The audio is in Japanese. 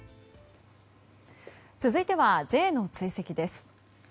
続いてはＪの追跡です。